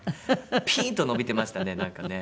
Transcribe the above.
ピーンと伸びてましたねなんかね。